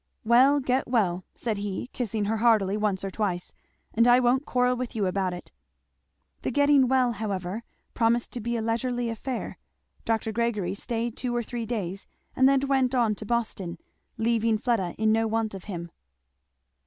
"Well, get well," said he kissing her heartily once or twice, "and I won't quarrel with you about it." The getting well however promised to be a leisurely affair. Dr. Gregory staid two or three days, and then went on to Boston, leaving Fleda in no want of him.